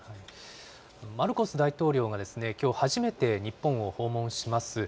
マルコス大統領がきょう、初めて日本を訪問します。